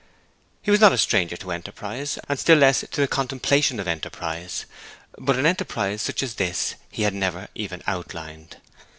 He was not a stranger to enterprise, and still less to the contemplation of enterprise; but an enterprise such as this he had never even outlined.